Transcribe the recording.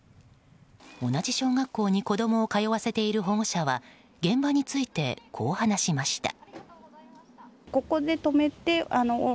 同じ小学校に子供を通わせている保護者は現場について、こう話しました。